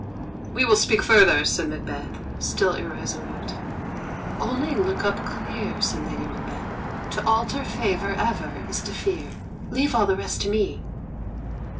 "We will speak further," said Macbeth, still irresolute. "Only look up clear," said Lady Macbeth; "to alter favour ever is to fear. Leave all the rest to me."